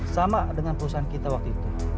sama dengan perusahaan kita waktu itu